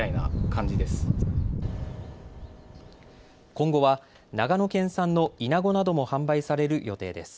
今後は長野県産のイナゴなども販売される予定です。